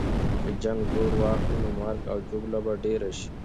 که جنګ زور واخلي، نو مرګ او ژوبله به ډېره سي.